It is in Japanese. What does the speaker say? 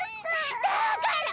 だから！